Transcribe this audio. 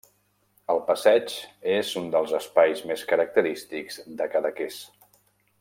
El passeig és un dels espais més característics de Cadaqués.